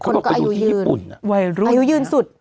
คนก็อายุยืนอายุยืนสุด